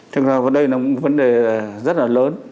thực ra và đây là một vấn đề rất là lớn